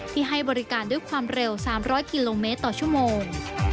ให้บริการด้วยความเร็ว๓๐๐กิโลเมตรต่อชั่วโมง